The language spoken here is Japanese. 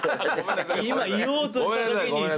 今言おうとしたときに。